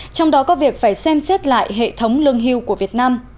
trong đó có việc phải xem xét lại hệ thống lương hưu của việt nam